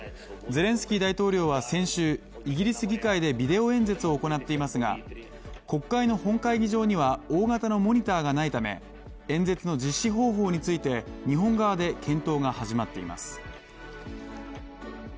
ゼレンスキー大統領は先週イギリス議会でビデオ演説を行っていますが国会の本会議場には大型のモニターがないため演説の実施方法について日本側で検討が始まっています。